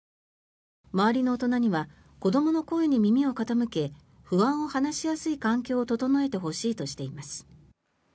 周りの大人には子どもの声に耳を傾け不安を話しやすい環境を整えてほしいと話しています。